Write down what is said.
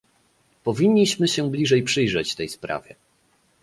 Powinniśmy się bliżej przyjrzeć tej sprawie